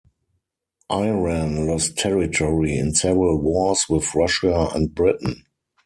Iran lost territory in several wars with Russia and Britain.